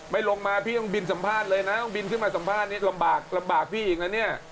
ไม่ลงมาพี่ต้องบินสัมภาษณ์เลยนะต้องบินขึ้นมาสัมภาษณ์นี้ลำบากลำบากพี่อีกนะเนี่ย